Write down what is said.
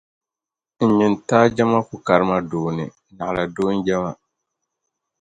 N nyintaa je ma ku kari ma doo ni naɣila doo n-je ma.